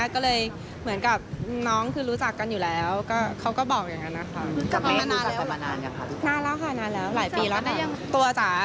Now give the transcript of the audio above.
ก็เลยเหมือนกับน้องคือรู้จักกันอยู่แล้ว